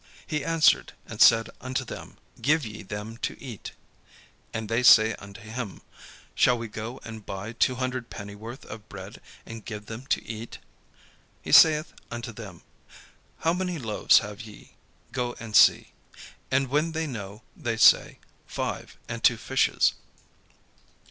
He answered and said unto them: "Give ye them to eat." And they say unto him: "Shall we go and buy two hundred pennyworth of bread, and give them to eat?" He saith unto them: "How many loaves have ye? Go and see." And when they know, they say, "Five, and two fishes."